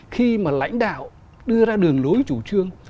khi mà lãnh đạo đưa ra đường lối chủ trương